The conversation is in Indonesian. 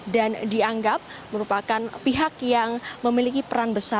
dan dianggap merupakan pihak yang memiliki peran kunci